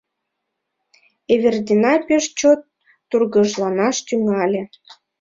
Эвердина пеш чот тургыжланаш тӱҥале.